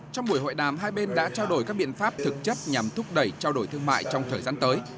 trong buổi hội đàm hai bên đã trao đổi các biện pháp thực chất nhằm thúc đẩy trao đổi thương mại trong thời gian tới